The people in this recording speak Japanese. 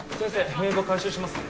名簿回収しますね